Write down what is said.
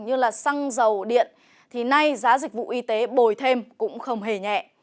như là xăng dầu điện thì nay giá dịch vụ y tế bồi thêm cũng không hề nhẹ